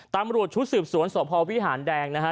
ตำรวจชุดสืบสวนสพวิหารแดงนะฮะ